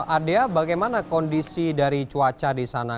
adea bagaimana kondisi dari cuaca di sana